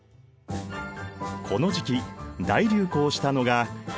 この時期大流行したのが映画。